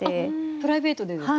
プライベートでですか？